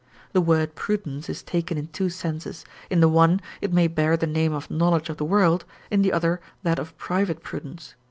* The word prudence is taken in two senses: in the one it may bear the name of knowledge of the world, in the other that of private prudence.